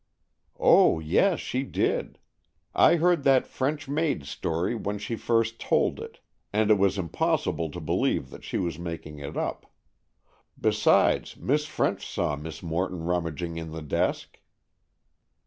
"Oh, yes, she did; I heard that French maid's story, when she first told it, and it was impossible to believe she was making it up. Besides, Miss French saw Miss Morton rummaging in the desk."